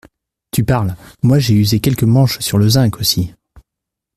Tu parles ! Moi, j’ai usé quelques manches sur le zinc aussi.